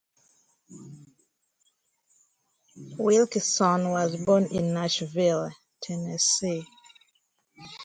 Wilkison was born in Nashville, Tennessee.